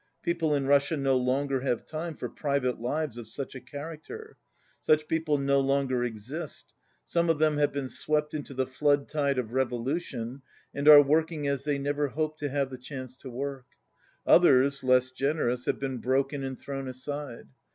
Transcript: People in Russia no longer have time for private lives of such a character. Such people no longer exist; some of them have been swept into the flood tide of revolution and are working as they never hoped to have the chance to work; others, less generous, have been broken and thrown aside.